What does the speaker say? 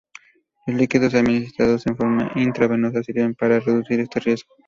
Los líquidos administrados en forma intravenosa sirven para reducir este riesgo.